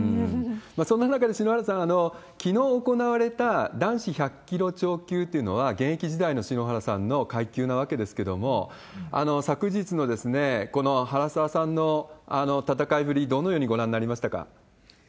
そんな中で篠原さん、きのう行われた男子１００キロ超級っていうのは、現役時代の篠原さんの階級なわけですけれども、昨日のこの原沢さんの戦いぶり、どのようにご覧になりましたか？